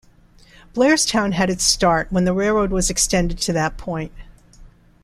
Blairstown had its start when the railroad was extended to that point.